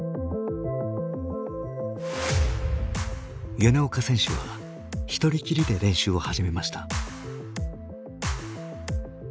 米岡選手は一人きりで練習を始めました。